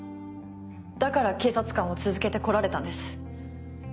だから警察官を続けて来られたんです。